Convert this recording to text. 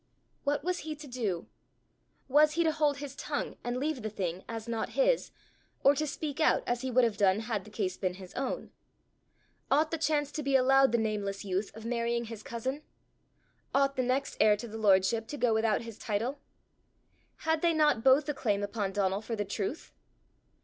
What was he to do? Was he to hold his tongue and leave the thing as not his, or to speak out as he would have done had the case been his own? Ought the chance to be allowed the nameless youth of marrying his cousin? Ought the next heir to the lordship to go without his title? Had they not both a claim upon Donal for the truth?